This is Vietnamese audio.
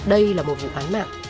đây là một vụ án mạng